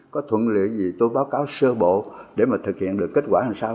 có thuận liệu gì tôi báo cáo sơ bộ để mà thực hiện được kết quả làm sao